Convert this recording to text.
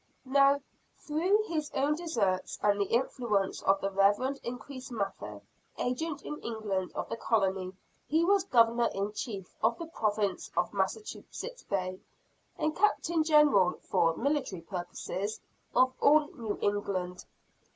Now, through his own deserts, and the influence of the Reverend Increase Mather, agent in England of the colony, he was Governor in Chief of the Province of Massachusetts Bay, and Captain General (for military purposes) of all New England.